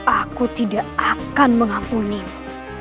aku tidak akan mengampunimu